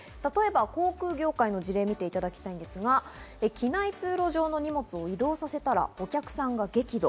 例えば航空業界の事例を見ていただきたいんですが、機内通路上の荷物を移動させたら、お客さんが激怒。